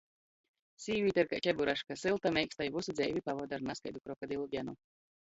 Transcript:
Sīvīte ir kai Čeburaška – sylta, meiksta i vysu dzeivi pavoda ar nazkaidu krokodilu Genu.